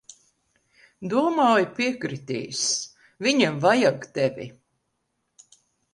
Domāju, piekritīs. Viņiem vajag tevi.